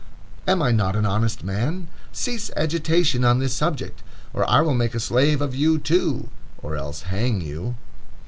Am I not an honest man? Cease agitation on this subject, or I will make a slave of you, too, or else hang you."